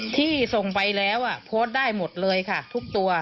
ที่ส่งไปแล้วโพสต์ได้หมดเลยค่ะทุกตัว